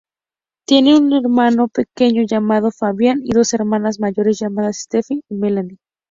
Tiene un hermano pequeño llamado Fabián y dos hermanas mayores llamadas Stefanie y Melanie.